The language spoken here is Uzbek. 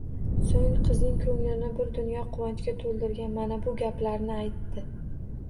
Soʻng qizning koʻnglini bir dunyo quvonchga toʻldirgan mana bu gaplarni aytdi